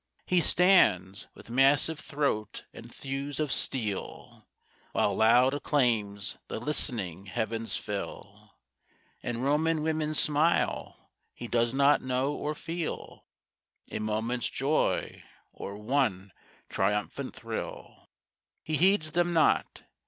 He stands, with massive throat and thews of steel, While loud acclaims the listening heavens fill, And Roman women smile. He does not know; or feel A moment's joy or one triumphant thrill. He heeds them not.